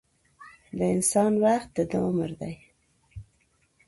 د انسان وخت دده عمر دی.